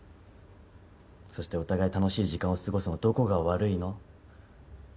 そしてお互い「楽しい時間を過ごす」のどこが悪いの？